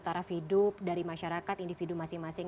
taraf hidup dari masyarakat individu masing masing